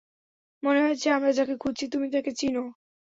মনে হচ্ছে আমরা যাকে খুঁজছি তুমি তাকে চিনো।